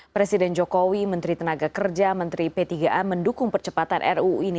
presiden jokowi menteri tenaga kerja menteri p tiga a mendukung percepatan ruu ini